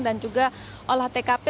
dan juga olah tkp